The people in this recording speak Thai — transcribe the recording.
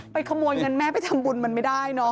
ขโมยเงินแม่ไปทำบุญมันไม่ได้เนอะ